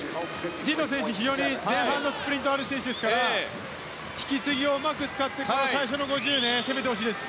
神野選手前半のスプリントがある選手ですから引き継ぎをうまく使って最初の５０ｍは攻めてほしいです。